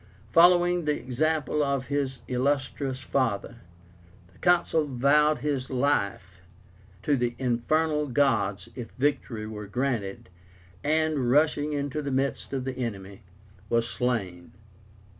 Following the example of his illustrious father, the Consul vowed his life to the Infernal Gods if victory were granted, and, rushing into the midst of the enemy, was slain.